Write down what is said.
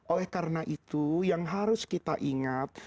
oleh karena itu yang harus kita ingat